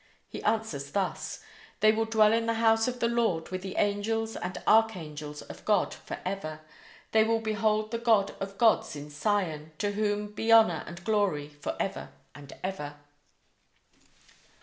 He answers thus: "They will dwell in the house of the Lord with the angels and archangels of God forever; they will behold the God of gods in Sion, to whom be honor and glory for ever and ever."